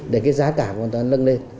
để cái giá cả hoàn toàn lưng lên